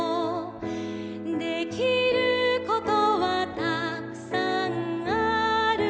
「できることはたくさんあるよ」